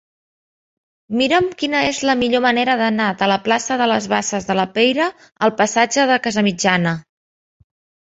Mira'm quina és la millor manera d'anar de la plaça de les Basses de la Peira al passatge de Casamitjana.